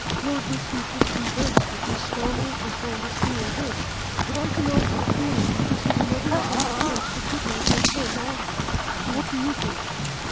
Lord Wisbeach is convinced that these scoundrels are trying to steal this, but I cannot help feeling that this is another of those attempts to kidnap my son Ogden. What do you think?"